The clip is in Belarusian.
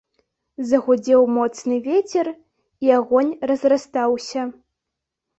Загудзеў моцны вецер, і агонь разрастаўся.